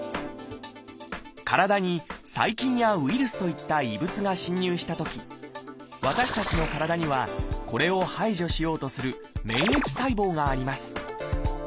体に細菌やウイルスといった異物が侵入したとき私たちの体にはこれを排除しようとする免疫細胞があります。